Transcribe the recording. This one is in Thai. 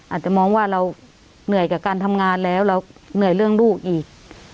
อาจจะมองว่าเราเหนื่อยกับการทำงานแล้วเราเหนื่อยเรื่องลูกอีก